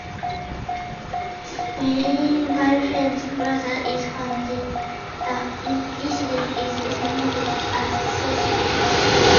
When Ernie's ex-girlfriend's brother is found dead, the incident is dismissed as suicide.